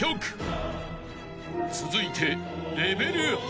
［続いて］